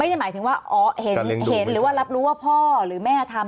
ไม่ได้หมายถึงเห็นหรือรับรู้ว่าพ่อหรือแม่ทำ